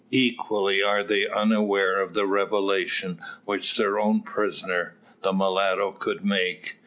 Equally are they unaware of the revelation which their own prisoner, the mulatto, could make.